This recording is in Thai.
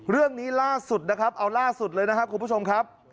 เรื่องนี้ล่าสุดนะครับเอาล่าสุดเลยนะครับคุณผู้ชมครับ